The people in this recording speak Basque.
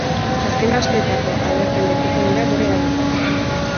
Azken asteetako alerten lekuko dira gure erabiltzaileak.